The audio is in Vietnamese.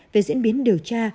về diễn biến điều tra